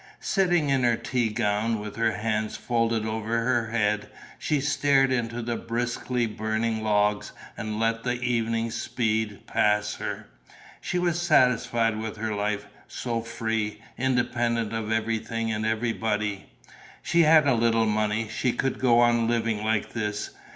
Sitting in her tea gown, with her hands folded over her head, she stared into the briskly burning logs and let the evening speed past her. She was satisfied with her life, so free, independent of everything and everybody. She had a little money, she could go on living like this.